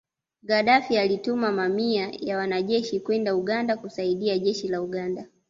Gadaffi alituma mamia ya wanajeshi kwenda Uganda kusaidia Jeshi la Uganda